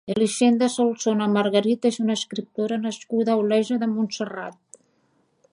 Elisenda Solsona Margarit és una escriptora nascuda a Olesa de Montserrat.